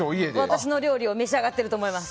私の料理を召し上がっていると思います。